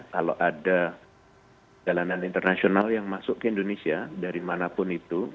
kalau ada jalanan internasional yang masuk ke indonesia dari manapun itu